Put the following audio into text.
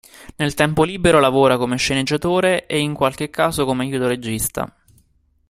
Nel tempo libero lavora come sceneggiatore e in qualche caso come aiuto regista.